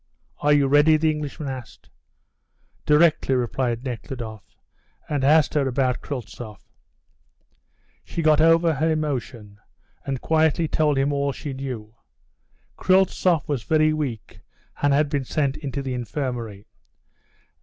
"Are you ready?" the Englishman asked. "Directly," replied Nekhludoff and asked her about Kryltzoff. She got over her emotion and quietly told him all she knew. Kryltzoff was very weak and had been sent into the infirmary.